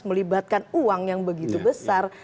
melibatkan uang yang begitu besar